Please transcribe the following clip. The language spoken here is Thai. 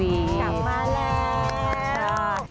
พี่กลับมาแล้ว